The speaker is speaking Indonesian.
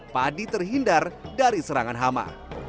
padi terhindar dari serangan hama